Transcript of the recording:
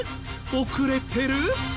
遅れてる？